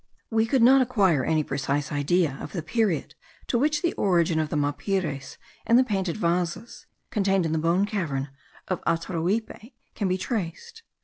We could not acquire any precise idea of the period to which the origin of the mapires and the painted vases, contained in the bone cavern of Ataruipe, can be traced.